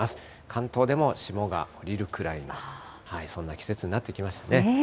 関東でも霜が降りるくらい、そんな季節になってきましたね。